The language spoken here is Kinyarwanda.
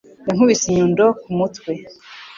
Yankubise inyundo ku mutwe.